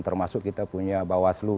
termasuk kita punya bawaslu